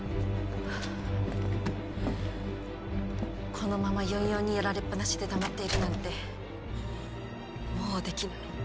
このまま４４にやられっぱなしで黙っているなんてもうできない。